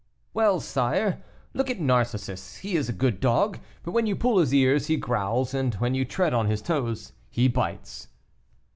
"Well, sire, look at Narcissus; he is a good dog, but when you pull his ears, he growls, and when you tread on his toes he bites."